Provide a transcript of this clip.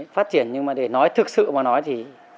phát triển nhưng mà để nói thực sự mà nói thì